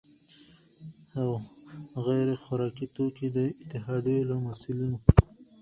او غیر خوراکي توکو د اتحادیو له مسؤلینو،